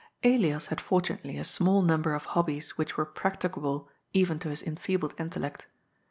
Elias had fortunately a small number of hobbies which were practicable even to his enfeebled intellect.